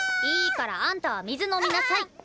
いいからあんたは水飲みなさい！